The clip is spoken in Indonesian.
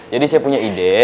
jadi saya punya ide